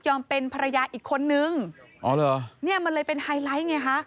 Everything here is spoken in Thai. เป็นภรรยาอีกคนนึงอ๋อเหรอเนี่ยมันเลยเป็นไฮไลท์ไงฮะ